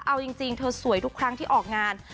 เอาจริงเธอสวยทุกครั้งที่ออกงาน